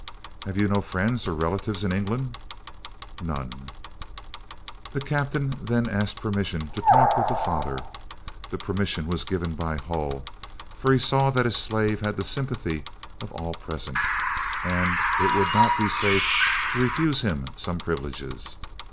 "Have you no friends or relatives in England?" "None." The captain then asked permission to talk with the father. The permission was given by Hull, for he saw that his slave had the sympathy of all present, and it would not be safe to refuse him some privileges.